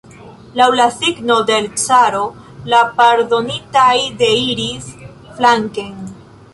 Laŭ la signo de l' caro, la pardonitaj deiris flanken.